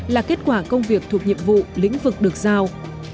là kết quả công việc thuộc nhiệm vụ lĩnh vực được giao